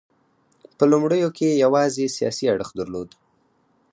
په لومړیو کې یوازې سیاسي اړخ درلود